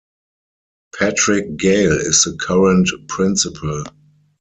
Patrick Gale is the current principal.